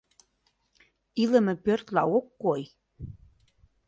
Илыме пӧртла ок кой...